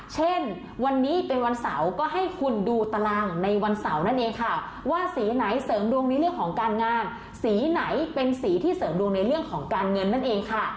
เช่นวันนี้เป็นวันเสาร์ก็ให้คุณดูตารางในวันเสาร์นั่นเองค่ะว่าสีไหนเสริมดวงในเรื่องของการงานสีไหนเป็นสีที่เสริมดวงในเรื่องของการเงินนั่นเองค่ะ